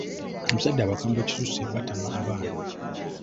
Abazadde abakambwe ekisusse batama abaana.